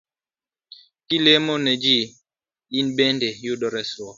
Kilemo ne ji to in bende iyudo resruok